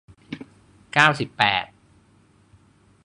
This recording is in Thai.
เก้าสิบแปด